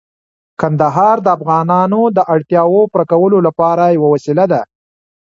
کندهار د افغانانو د اړتیاوو پوره کولو لپاره یوه وسیله ده.